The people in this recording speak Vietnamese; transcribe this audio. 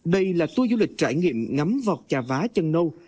đây là tuyến du lịch trải nghiệm ngắm vọt chà vá chân nâu